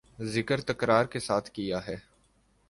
ذکر تکرار کے ساتھ کیا ہے